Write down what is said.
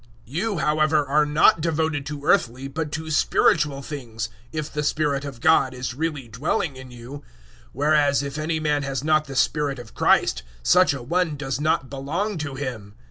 008:009 You, however, are not devoted to earthly, but to spiritual things, if the Spirit of God is really dwelling in you; whereas if any man has not the Spirit of Christ, such a one does not belong to Him.